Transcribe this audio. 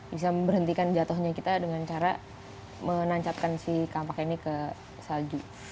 bisa memberhentikan jatuhnya kita dengan cara menancapkan si kampak ini ke salju